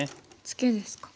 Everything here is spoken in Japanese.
ツケですか。